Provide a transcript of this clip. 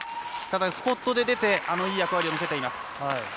ただ、スポットで出ていい役割を見せています。